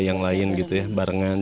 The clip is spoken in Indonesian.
yang lain gitu ya barengan